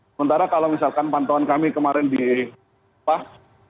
sementara kalau misalkan pantauan kami kemarin di apa